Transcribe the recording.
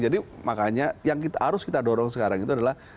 jadi makanya yang harus kita dorong sekarang itu adalah